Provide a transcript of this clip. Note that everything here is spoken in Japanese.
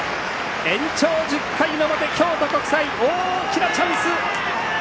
延長１０回の表、京都国際大きなチャンス。